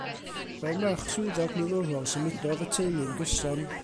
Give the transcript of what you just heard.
Fel merch swyddog milwrol, symudodd y teulu'n gyson.